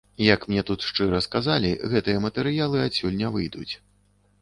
Як мне тут шчыра сказалі, гэтыя матэрыялы адсюль не выйдуць.